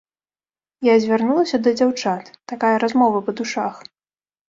Я звярнулася да дзяўчат, такая размова па душах.